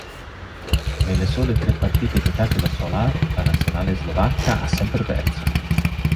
Nelle sole tre partite giocate da Solar, la Nazionale slovacca ha sempre perso.